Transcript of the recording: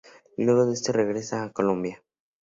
Luego de esto regresa a Colombia.